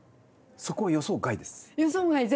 そこ予想外です？